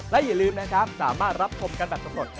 และอย่าลืมนะครับสามารถรับชมกันแบบสำรวจ